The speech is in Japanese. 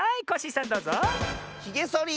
ひげそり！